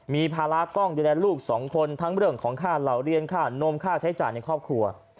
มีภาระต้องดูแลลูกสองคนทั้งเรื่องของค่าเหล่าเรียนค่านมค่าใช้จ่ายในครอบครัว